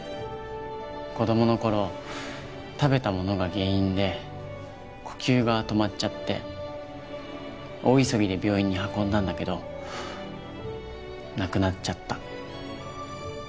子供の頃食べたものが原因で呼吸が止まっちゃって大急ぎで病院に運んだんだけど亡くなっちゃった。